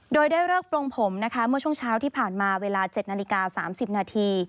โดยได้เลิกปลงผมนะคะเมื่อช่วงเช้าที่ผ่านมาเวลา๗นาฬิกา๓๐นาที